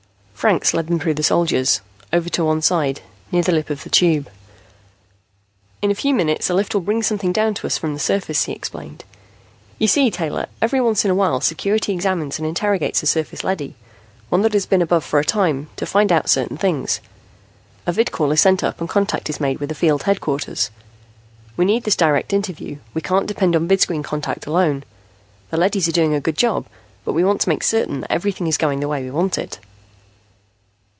Franks led them through the soldiers, over to one side, near the lip of the Tube. "In a few minutes, a lift will bring something down to us from the surface," he explained. "You see, Taylor, every once in a while Security examines and interrogates a surface leady, one that has been above for a time, to find out certain things. A vidcall is sent up and contact is made with a field headquarters. We need this direct interview; we can't depend on vidscreen contact alone. The leadys are doing a good job, but we want to make certain that everything is going the way we want it."